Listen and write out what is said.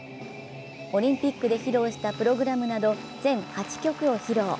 オリンピックで披露したプログラムなど全８曲を披露。